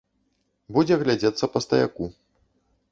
Будзе глядзецца па стаяку.